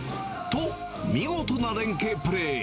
と、見事な連係プレー。